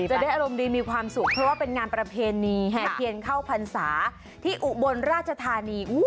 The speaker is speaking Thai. จะได้อารมณ์ดีมีความสุขเพราะว่าเป็นงานประเพณีแห่เทียนเข้าพรรษาที่อุบลราชธานี